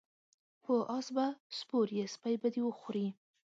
په اس به سپور یی سپی به دی وخوري